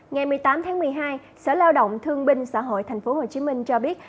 ngày một mươi tám tháng một mươi hai sở lao động thương binh xã hội tp hcm cho biết